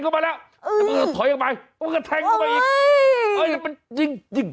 ก็ก็ยังไงนี่